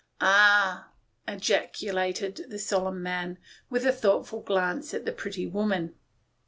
" Ah !" ejaculated the solemn man, with a thoughtful glance at the pretty woman.